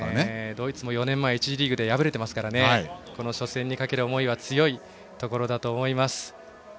ドイツも４年前１次リーグで敗れていますからこの初戦にかける思いは強いところだと思います。